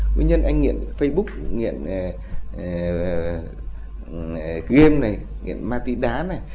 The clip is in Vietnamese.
nguyên nhân anh nghiện facebook nghiện game này nghiện ma túy đá này